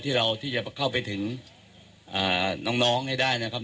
ที่เราที่จะเข้าไปถึงน้องให้ได้นะครับ